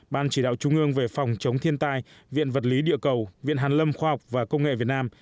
ban chỉ đạo trung ương về phòng chống thiên tai viện vật lý địa cầu viện hàn lâm khoa học và công nghệ việt nam